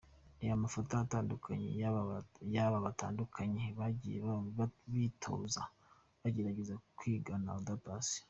Reba amafoto atandukanye y’abantu batandukanye bagiye bifotoza bagerageza kwigana Oda Paccy:.